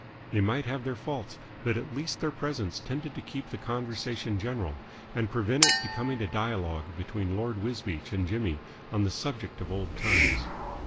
They might have their faults, but at least their presence tended to keep the conversation general and prevent it becoming a duologue between Lord Wisbeach and Jimmy on the subject of old times.